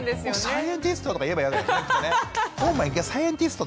サイエンティストとか言えばいいわけですね。